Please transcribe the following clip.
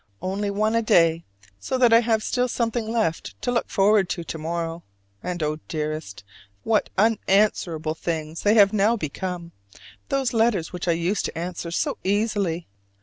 Only one a day, so that I have still something left to look forward to to morrow: and oh, dearest, what unanswerable things they have now become, those letters which I used to answer so easily!